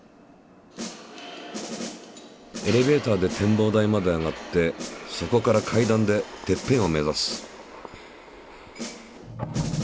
エレベーターで展望台まで上がってそこから階段でてっぺんを目指す。